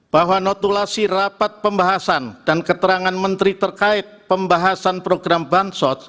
bahwa notulasi rapat pembahasan dan keterangan menteri terkait pembahasan program bansos